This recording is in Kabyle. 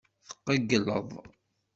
Tqeyyleḍ.